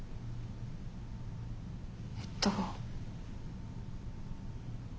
えっと。